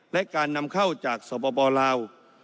และการนำเข้าจากสปลาว